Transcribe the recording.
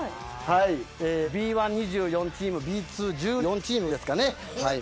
Ｂ１、２４チームＢ２、１４チームですかね。